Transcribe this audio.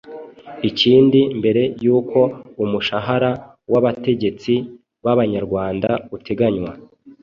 Ikindi mbere y'uko umushahara w'abategetsi b'Abanyarwanda uteganywa